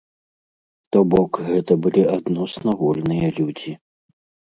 То бок, гэта былі адносна вольныя людзі.